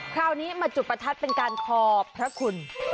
คราวนี้มาจุดประทัดเป็นการคอพระคุณ